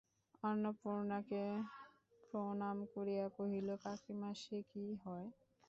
অন্নপূর্ণাকে প্রণাম করিয়া কহিল, কাকীমা, সে কি হয়?